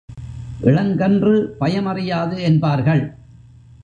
இளங்கன்று பயமறியாது என்பார்கள்.